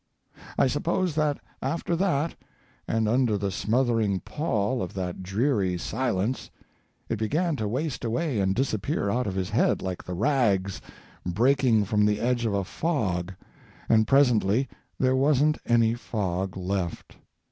I suppose that after that, and under the smothering pall of that dreary silence, it began to waste away and disappear out of his head like the rags breaking from the edge of a fog, and presently there wasn't any fog left.